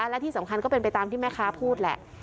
และที่สำคัญก็เป็นไปตามที่แม่ค้าพูดแหละ